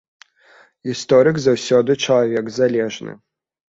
Гісторык заўсёды чалавек залежны.